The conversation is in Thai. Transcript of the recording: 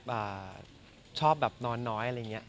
ชอบแบบนอนน้อยอะไรอย่างนี้